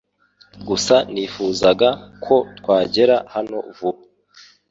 Gusa nifuzaga ko twagera hano vuba .